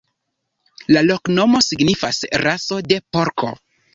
La loknomo signifas: raso de porko.